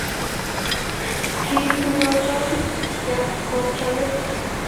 Kii tuluchon ya koachube